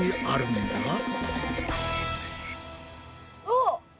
あっ！